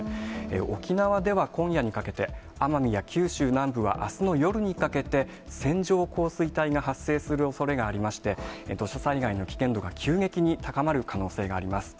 沖縄では今夜にかけて、奄美や九州南部はあすの夜にかけて、線状降水帯が発生するおそれがありまして、土砂災害の危険度が急激に高まる可能性があります。